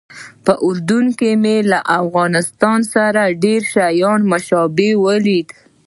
په اردن کې مې له افغانستان سره ډېر شیان مشابه ولیدل.